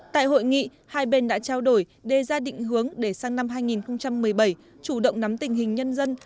tại hội nghị hai bên đã trao đổi đề ra định hướng để sang năm hai nghìn một mươi bảy chủ động nắm tình hình nhân dân